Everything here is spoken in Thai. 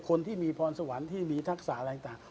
คนที่มีพรสวรรค์ที่มีทักษะอะไรต่าง